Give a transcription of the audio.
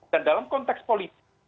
dan dalam konteks politik